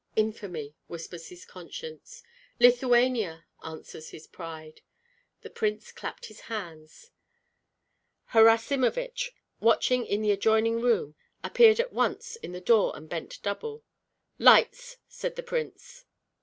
"Infamy!" whispers his conscience. "Lithuania!" answers his pride. The prince clapped his hands; Harasimovich, watching in the adjoining room, appeared at once in the door and bent double. "Lights!" said the prince.